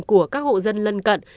của các hộ dân lân cận